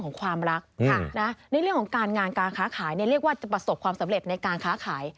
เพราะว่าปีเถาะกับปีจ่อนเขาเรียกว่า